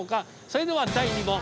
それでは第２問。